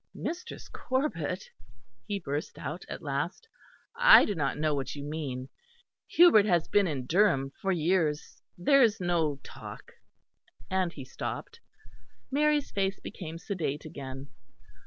"Mistress Corbet," he burst out at last, "I do not know what you mean. Hubert has been in Durham for years. There is no talk " and he stopped. Mary's face became sedate again.